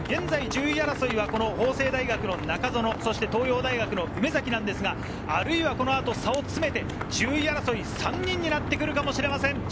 現在１０位争いは法政の中園、東洋大学の梅崎ですが、この後、差を詰めて１０位争い、３人になってくるかもしれません。